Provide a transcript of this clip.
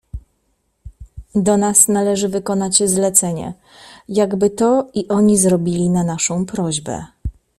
"Do nas należy wykonać zlecenie, jakby to i oni zrobili na naszą prośbę."